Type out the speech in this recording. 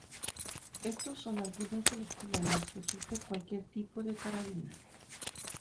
Estos son algunos de los problemas que sufre cualquier tipo de carabina.